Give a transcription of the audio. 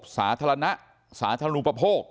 สาธารณะสาธารณูปโภค